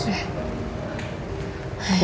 bubes kenapa kok bengong gitu